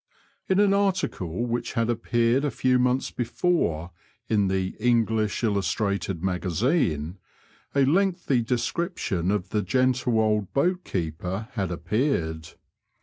In an article which had appeared a few months before in the English Illustrated Magazine a lengthy description of the gentle old boatkeeper had ap peared.